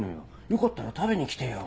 よかったら食べに来てよ。